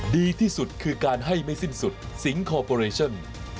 ดีที่สุดคือการให้ไม่สิ้นสุดสิงคอร์ปอเรชั่น